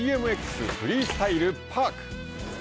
フリースタイル、パーク。